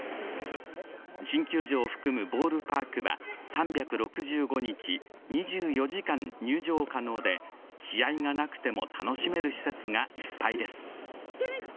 新球場を含むボールパークは３６５日２４時間入場可能で試合がなくても楽しめる施設がいっぱいです。